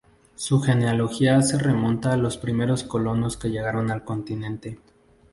Su genealogía se remonta a los primeros colonos que llegaron al continente.